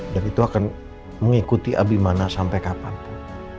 dan itu akan mengikuti abimane sampai kapanpun